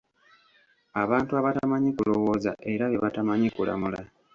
Abantu abatamanyi kulowooza era be batamanyi kulamula.